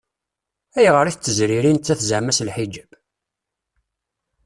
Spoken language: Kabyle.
Ayɣer i tettezriri nettat zeɛma s lḥiǧab?